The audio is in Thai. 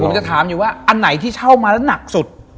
ผมจะถามอยู่ว่าอันไหนที่เช่ามาแล้วหนักสุด